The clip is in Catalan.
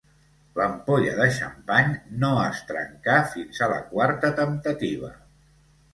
L'ampolla de xampany no es trencà fins a la quarta temptativa.